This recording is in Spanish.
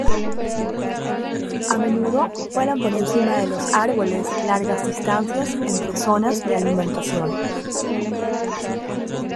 A menudo vuelan por encima de los árboles largas distancias entre zonas de alimentación.